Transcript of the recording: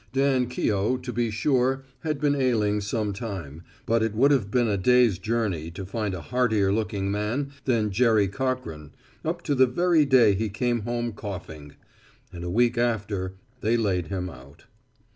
Dan Keough, to be sure, had been ailing some time, but it would have been a day's journey to find a heartier looking man than Jerry Cochrane, up to the very day he came home coughing. And a week after, they laid him out.